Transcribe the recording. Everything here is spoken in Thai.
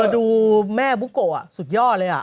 เธอดูแม่บุโกะอ่ะสุดยอดเลยอ่ะ